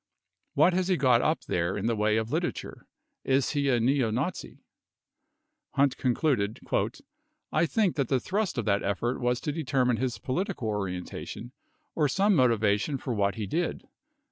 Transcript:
What has he got up there in the way of literature? Is he a neo Nazi ? 72 Hunt concluded :.. I think that the thrust of that effort was to determine his political orientation or some motivation for what he did."